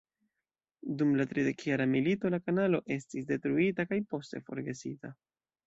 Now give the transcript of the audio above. Dum la tridekjara milito la kanalo estis detruita kaj poste forgesita.